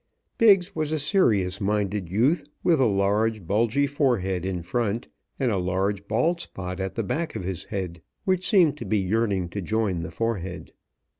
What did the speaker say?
Biggs was a serious minded youth, with a large, bulgy forehead in front, and a large bald spot at the back of his head, which seemed to be yearning to join the forehead.